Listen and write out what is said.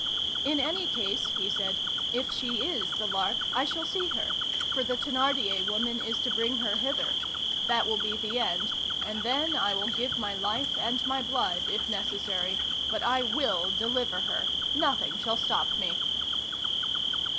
"In any case," he said, "if she is the Lark, I shall see her, for the Thénardier woman is to bring her hither. That will be the end, and then I will give my life and my blood if necessary, but I will deliver her! Nothing shall stop me."